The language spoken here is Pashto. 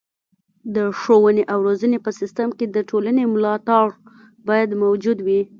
د ښوونې او روزنې په سیستم کې د ټولنې ملاتړ باید موجود وي.